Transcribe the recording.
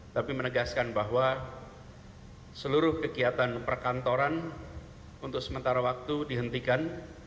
tapi menegaskan bahwa seluruh kegiatan perkantoran untuk sementara waktu dihentikan